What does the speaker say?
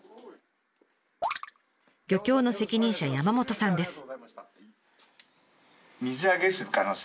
漁協の責任者山本さんです。